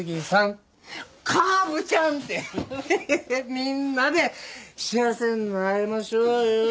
みんなで幸せになりましょうよ。